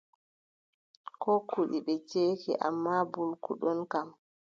Koo kuɗi ɓe ceeki ammaa mbulku ɗoo kam,